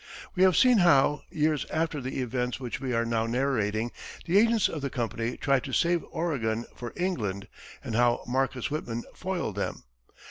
We have seen how, years after the events which we are now narrating, the agents of the company tried to save Oregon for England and how Marcus Whitman foiled them.